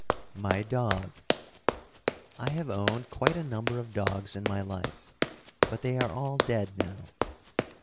My Dog. I have owned quite a number of dogs in my life, but they are all dead now.